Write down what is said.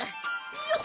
よっ。